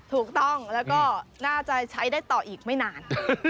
ถูกต้องแล้วก็น่าจะใช้ได้ต่ออีกไม่นาน